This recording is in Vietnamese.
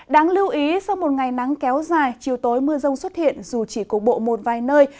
đáng lưu ý sau một ngày nắng kéo dài chiều tối mưa rông xuất hiện dù chỉ cổ bộ một vài nơi